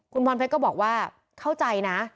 คุณวรแภกตร์ก็บอกว่าเข้าใจนะ